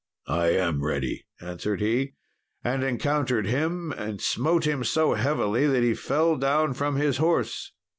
"I am ready," answered he, and encountered him, and smote him so heavily that he fell down from his horse.